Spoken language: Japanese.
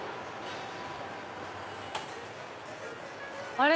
あれ？